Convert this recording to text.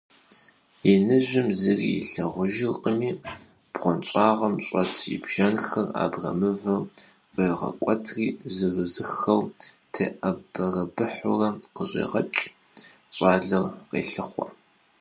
Иныжьым зыри илъагъужыркъыми, бгъуэнщӀагъым щӀэт и бжэнхэр абрэмывэр ӀуегъэкӀуэтри зырызыххэу теӏэбэрэбыхьурэ къыщӀегъэкӀ, щӀалэр къелъыхъуэ.